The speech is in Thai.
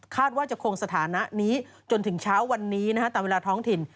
ว่าจะคงสถานะนี้จนถึงเช้าวันนี้ตามเวลาท้องถิ่น